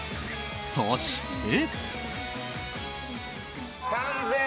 そして。